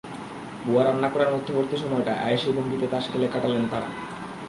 বুয়া রান্না করার মধ্যবর্তী সময়টায় আয়েশি ভঙ্গিতে তাস খেলে কাটালেন তাঁরা।